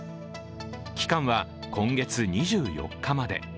期間は今月２４日まで。